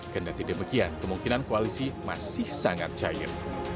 kedatian demikian kemungkinan koalisi masih sangat jahit